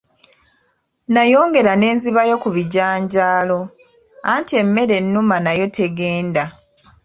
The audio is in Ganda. Nayongera ne nzibayo ku bijanjaalo, anti emmere ennuma nayo tegenda.